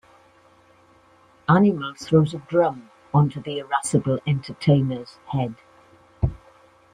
Animal throws a drum onto the irascible entertainer's head.